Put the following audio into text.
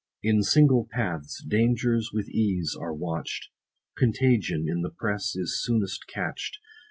In single paths dangers with ease are watch'd ; Contagion in the press is soonest catch'd.